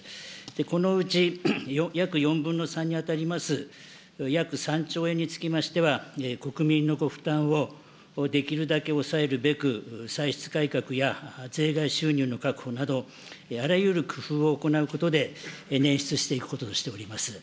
このうち約４分の３に当たります約３兆円につきましては、国民のご負担をできるだけ抑えるべく、歳出改革や税外収入の確保など、あらゆる工夫を行うことで、捻出していくこととしております。